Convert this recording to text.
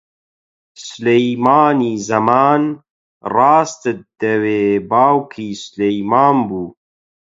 سولەیمانی زەمان، ڕاستت دەوێ، باوکی سولەیمان بوو